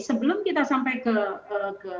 sebelum kita sampai ke